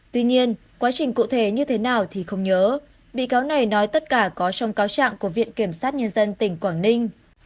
tuy nhiên quá trình cụ thể như thế nào thì không nhớ bị cáo này nói tất cả có trong cáo trạng của viện kiểm sát nhân dân tỉnh quảng ninh